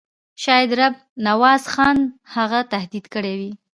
شاید رب نواز خان هغه تهدید کړی وي.